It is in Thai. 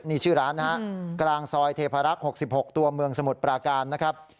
นี่ชื่อร้านนะฮะกลางซอยเทพารักษ์๖๖ตัวเมืองสมุทรปราการนะครับ